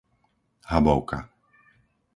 Habovka